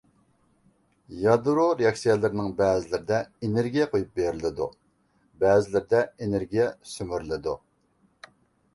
يادرو رېئاكسىيەلىرىنىڭ بەزىلىرىدە ئېنېرگىيە قويۇپ بېرىلىدۇ، بەزىلىرىدە ئېنېرگىيە سۈمۈرۈلىدۇ.